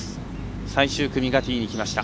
最終組がティーにきました。